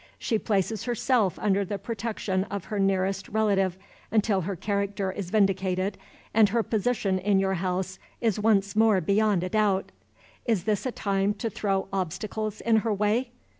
She places herself under the protection of her nearest relative, until her character is vindicated and her position in your house is once more beyond a doubt. Is this a time to throw obstacles in her way?